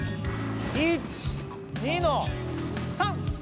１２の３！